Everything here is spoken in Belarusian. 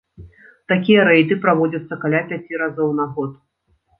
Такія рэйды праводзяцца каля пяці разоў на год.